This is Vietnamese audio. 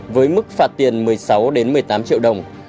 với mức phạt tiền một mươi sáu một mươi tám triệu đồng